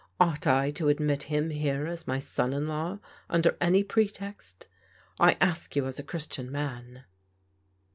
Ought I to admit him here as my son in law under any pretext? I ask you as a Christian man."